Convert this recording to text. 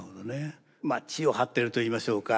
地をはってるといいましょうか。